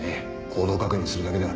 行動確認するだけだ。